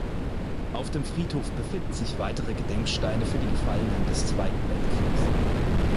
Auf dem Friedhof befinden sich weitere Gedenksteine für die Gefallenen des Zweiten Weltkriegs.